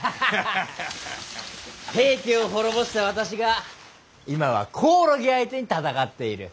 平家を滅ぼした私が今はコオロギ相手に戦っている。